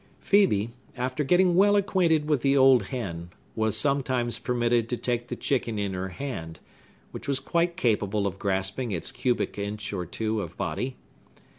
Phœbe, after getting well acquainted with the old hen, was sometimes permitted to take the chicken in her hand, which was quite capable of grasping its cubic inch or two of body.